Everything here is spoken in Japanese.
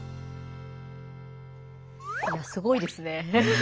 いやすごいですね。